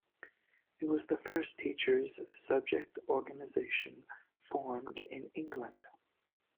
It was the first teachers' subject organisation formed in England.